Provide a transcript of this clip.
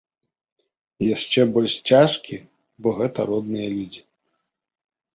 Яшчэ больш цяжкі, бо гэта родныя людзі.